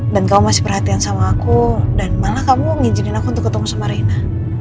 dan kamu masih perhatian sama aku dan malah kamu nginjinin aku untuk ketemu sama reina